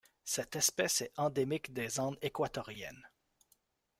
Cette espèce est endémique des Andes équatoriennes.